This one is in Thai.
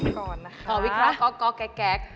ขอวิเคราะห์ก่อก่อวิเคราะห์ก็แก๊ก